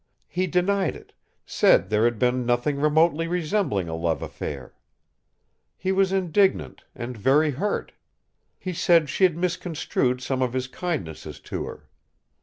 He denied it, said there had been nothing remotely resembling a love affair. He was indignant, and very hurt! He said she'd misconstrued some of his kindnesses to her.